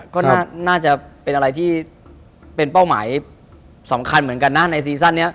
ก็น่าจะเป็นอะไรที่เป็นเป้าหมายสำคัญเหมือนกันนะในซีซั่นนี้